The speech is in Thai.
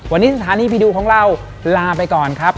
วันนี้สถานีผีดุของเราลาไปก่อนครับ